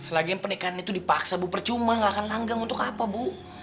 lagian pernikahan itu dipaksa bu percuma gak akan langgang untuk apa bu